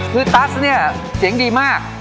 คือตัสเนี่ยเสียงดีมาก